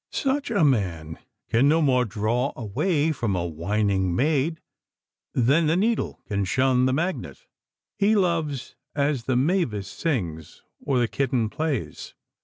Such a man can no more draw away from a winning maid than the needle can shun the magnet. He loves as the mavis sings or the kitten plays.